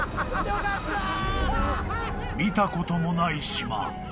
［見たこともない島］